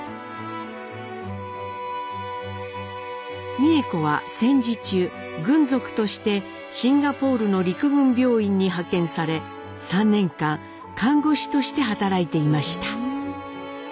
美枝子は戦時中軍属としてシンガポールの陸軍病院に派遣され３年間看護師として働いていました。